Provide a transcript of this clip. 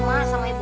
mak sama ibu